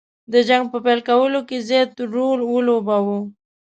د جنګ په پیل کولو کې زیات رول ولوباوه.